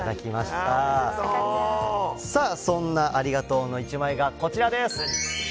そんなありがとうの１枚がこちらです。